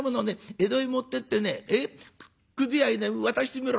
江戸へ持ってってねくず屋へね渡してみろ。